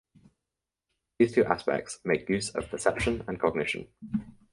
These two aspects make use of perception and cognition.